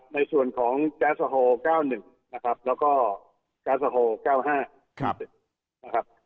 ในส่วนของแก๊สโอฮอล๙๑แล้วก็แก๊สโอฮอล๙๕